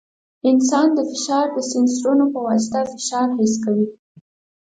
انسان د فشاري سینسرونو په واسطه فشار حس کوي.